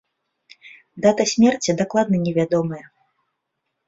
Дата смерці дакладна не вядомая.